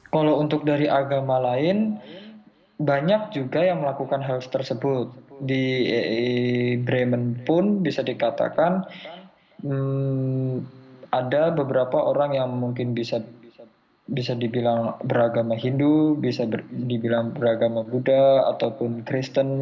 kalau untuk dari agama lain banyak juga yang melakukan hal tersebut di bremen pun bisa dikatakan ada beberapa orang yang mungkin bisa dibilang beragama hindu bisa dibilang beragama buddha ataupun kristen